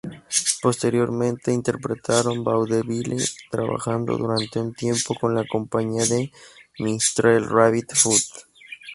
Posteriormente interpretaron vaudeville, trabajando durante un tiempo con la compañía de 'minstrel' "Rabbit Foot".